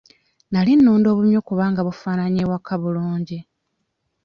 Nali nunda obumyu kubanga bufaananya ewaka bulungi.